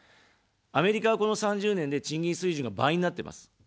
アメリカは、この３０年で賃金水準が倍になってます。